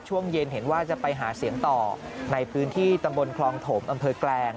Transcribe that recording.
ช่วงเย็นเห็นว่าจะไปหาเสียงต่อในพื้นที่ตำบลคลองถมอำเภอแกลง